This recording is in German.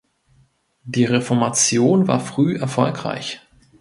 Die Reformation war früh erfolgreich.